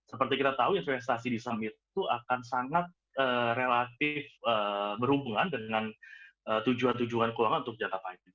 seperti kita tahu investasi di saham itu akan sangat relatif berhubungan dengan tujuan tujuan keuangan untuk jangka panjang